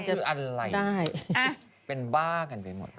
จะอะไรเป็นบ้ากันไปหมด